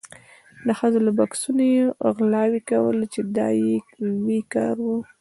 د ښځو له بکسونو یې غلاوې کولې چې دا یې لوی کار و.